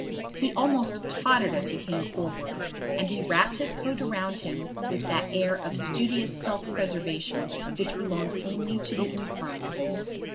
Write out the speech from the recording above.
He almost tottered as he came forward, and he wrapped his coat around him with that air of studious self preservation which belongs only to the infirm.